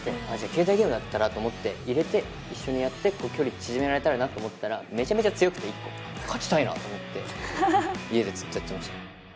携帯ゲームだったらと思って入れて一緒にやって距離縮められたらなと思ったらめちゃめちゃ強くて一個勝ちたいなと思って家でずっとやってましたね